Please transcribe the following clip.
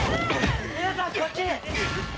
皆さんこっち！